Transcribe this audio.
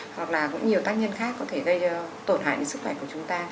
hoặc là cũng nhiều tác nhân khác có thể gây tổn hại đến sức khỏe của chúng ta